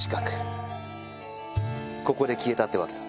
ここで消えたってわけだ。